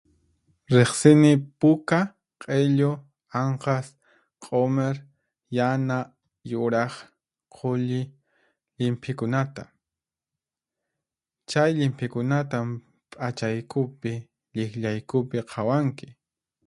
Riqsini puka, q'illu, anqas, q'umir, yana, yuraq, qulli llimphikunata. Chay llimp'ikunatan p'achaykupi, lliqllaykupi qhawanki.